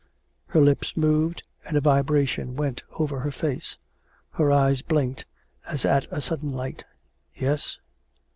Her lips moved, and a vibration went over her face. Her eyes blinked, as at a sudden light. "Yes.?"